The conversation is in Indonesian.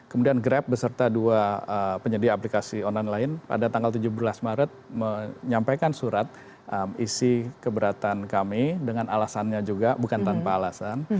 kemudian grab beserta dua penyedia aplikasi online lain pada tanggal tujuh belas maret menyampaikan surat isi keberatan kami dengan alasannya juga bukan tanpa alasan